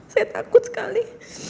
saya takut sekali